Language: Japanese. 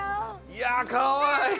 いやかわいい！